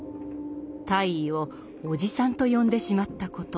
大尉を「おじさん」と呼んでしまったこと。